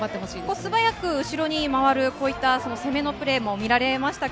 素早く後ろに回るプレーも見られました。